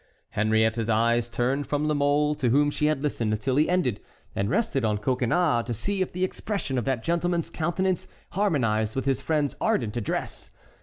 Henriette's eyes turned from La Mole, to whom she had listened till he ended, and rested on Coconnas, to see if the expression of that gentleman's countenance harmonized with his friend's ardent address.